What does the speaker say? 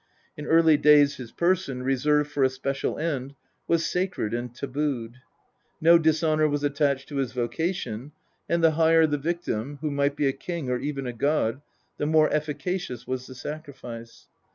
In early days his person, reserved for a special end, was sacred and tabooed. No dishonour was attached to his vocation, and the higher the victim, who might be a king or even a god, the more efficacious was the sacrifice.